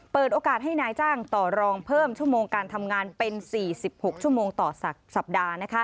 เปิดโอกาสให้นายจ้างต่อรองเพิ่มชั่วโมงการทำงานเป็น๔๖ชั่วโมงต่อสัปดาห์